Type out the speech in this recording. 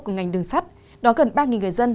cùng ngành đường sắt đóng gần ba người dân